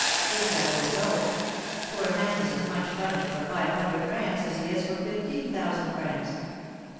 "Exactly so; for a man is as much punished for five hundred francs as he is for fifteen thousand francs."